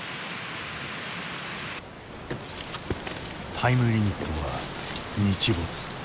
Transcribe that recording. タイムリミットは日没。